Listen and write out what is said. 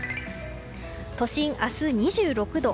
都心明日、２６度。